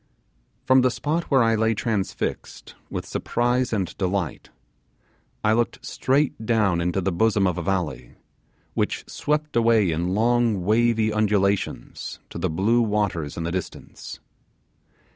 From the spot where I lay transfixed with surprise and delight, I looked straight down into the bosom of a valley, which swept away in long wavy undulations to the blue waters in the distance.